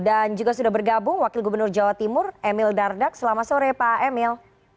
dan juga sudah bergabung wakil gubernur jawa timur emil dardak selamat sore pak emil